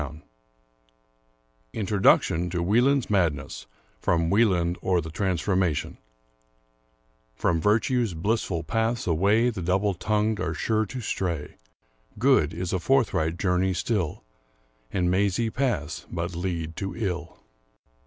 221 Introduction to "Wieland's Madness,'* from *^Wie land, or The Transformation From Virtue's blissful paths away The double tongued are sure to stray; Good is a forth right journey still, And mazy paths but lead to ill.